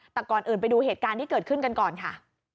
แต่ก่อนอื่นไปดูเหตุการณ์ที่เกิดขึ้นกันก่อนค่ะ